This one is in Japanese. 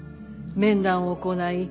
面談を行い